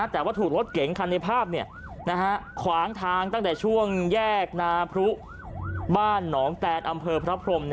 แต่ว่าถูกรถเก๋งคันในภาพขวางทางตั้งแต่ช่วงแยกนาพรุบ้านหนองแตนอำเภอพระพรม